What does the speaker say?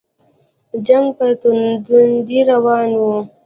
جنګ په توندۍ روان وو.